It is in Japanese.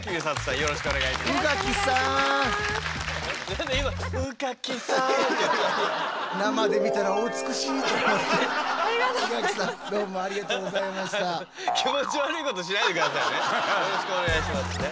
よろしくお願いします。